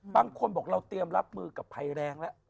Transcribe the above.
บางคนบอกเราเตรียมรับมือกับภัยแรงแล้ว